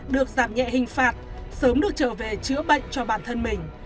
được giảm nhẹ hình phạt sớm được trở về chữa bệnh cho bản thân mình